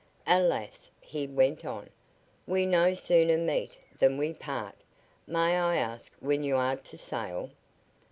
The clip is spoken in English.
"Alas!" he went on, "we no sooner meet than we part. May I ask when you are to sail?"